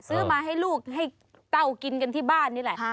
ซื้อมาให้ลูกให้เต้ากินกันที่บ้านนี่แหละ